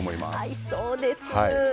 合いそうです。